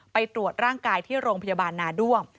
ไปตรวจร่างกายที่โรงพยาบาลนาด้วง